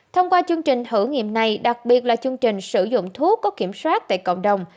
thông qua chương trình thử nghiệm này đặc biệt là chương trình sử dụng thuốc có kiểm soát tại cộng đồng